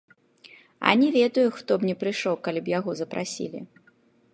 А не ведаю, хто б не прыйшоў, калі б яго запрасілі.